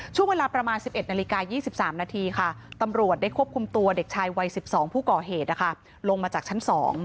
ช่วงเวลาประมาณ๑๑นาฬิกา๒๓นาทีค่ะตำรวจได้ควบคุมตัวเด็กชายวัย๑๒ผู้ก่อเหตุลงมาจากชั้น๒